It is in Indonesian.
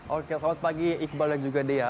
oke selamat pagi iqbal dan juga dea